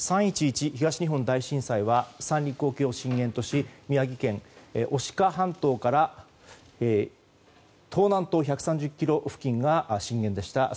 ３・１１、東日本大震災は三陸沖を震源とし宮城県牡鹿半島から東南東１３０ｋｍ付近が震源でした。